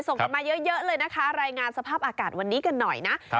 ส่งกันมาเยอะเลยนะคะรายงานสภาพอากาศวันนี้กันหน่อยนะ